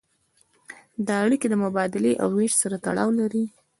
دا اړیکې د مبادلې او ویش سره تړاو لري.